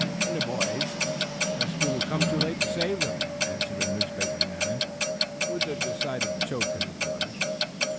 "And the boys? Rescue will come too late to save them?" asked a newspaper man, with a decided choke in his voice.